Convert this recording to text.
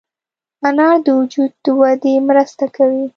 انار د وجود د ودې مرسته کوي.